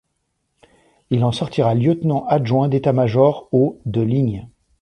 Il en sortira lieutenant adjoint d’État-major au de ligne.